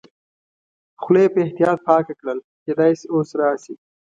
خوله یې په احتیاط پاکه کړل، کېدای شي اوس راشي.